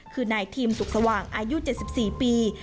คือนายทีมสุขสว่างอายุ๗๔ปี